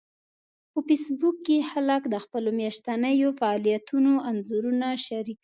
په فېسبوک کې خلک د خپلو میاشتنيو فعالیتونو انځورونه شریکوي